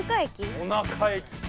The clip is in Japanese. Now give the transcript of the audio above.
おなか駅。